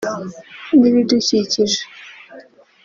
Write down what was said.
n’ibidukikije